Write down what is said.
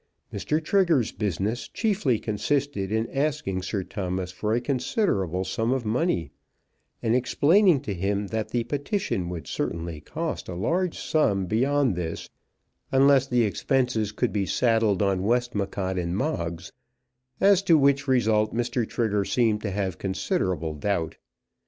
Mr. Trigger's business chiefly consisted in asking Sir Thomas for a considerable sum of money, and in explaining to him that the petition would certainly cost a large sum beyond this, unless the expenses could be saddled on Westmacott and Moggs, as to which result Mr. Trigger seemed to have considerable doubt.